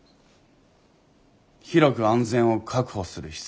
広く安全を確保する必要があります。